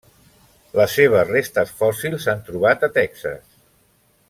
Les seves restes fòssils s'han trobat a Texas.